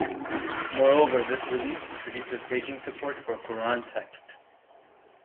Moreover, this release introduces paging support for Quran text.